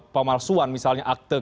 pemalsuan misalnya akte